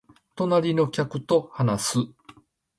隣の客と話す